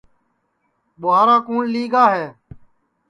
ٻوارا کُوٹؔ لی گا ہے